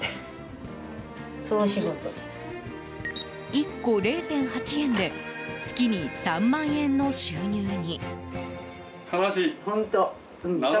１個０．８円で月に３万円の収入に。